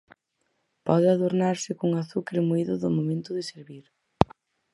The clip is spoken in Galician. Pode adornarse con azucre moído no momento de servir.